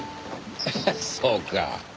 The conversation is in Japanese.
ハハッそうか。